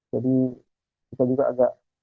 jadi kita juga agak